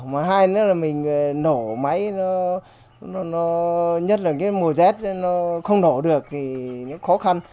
mà hai nữa là mình nổ máy nó nhất là cái mùa rét nó không nổ được thì nó khó khăn